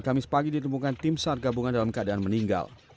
kamis pagi ditemukan tim sar gabungan dalam keadaan meninggal